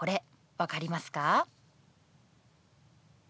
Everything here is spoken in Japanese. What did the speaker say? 分かりますか？」。